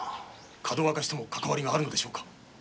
かどわかしとも関わりがあるのでしょうか？